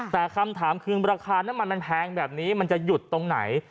แต่คำถามคือราคาน้ำมันมันแพงแบบนี้มันจะหยุดตรงไหน